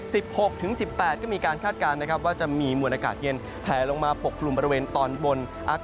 สิบหกถึงสิบแปดก็มีการคาดการณ์นะครับว่าจะมีวันอากาศเย็นแผลลงมาปกลุมประเวนตอนบน